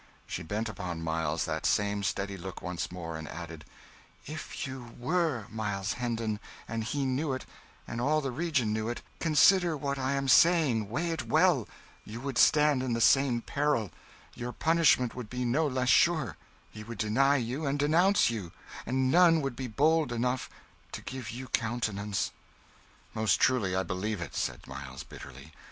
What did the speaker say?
She bent upon Miles that same steady look once more, and added: "If you were Miles Hendon, and he knew it and all the region knew it consider what I am saying, weigh it well you would stand in the same peril, your punishment would be no less sure; he would deny you and denounce you, and none would be bold enough to give you countenance." "Most truly I believe it," said Miles, bitterly.